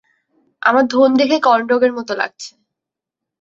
আমার ধোন দেখতে কর্ন ডগের মতো লাগছে।